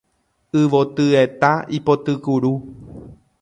Yvotyeta ipotykuru